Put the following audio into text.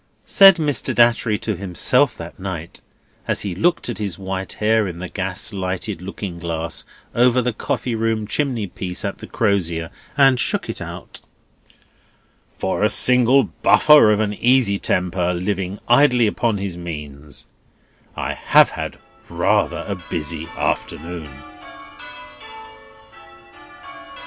Said Mr. Datchery to himself that night, as he looked at his white hair in the gas lighted looking glass over the coffee room chimneypiece at the Crozier, and shook it out: "For a single buffer, of an easy temper, living idly on his means, I have had a rather busy afternoon!"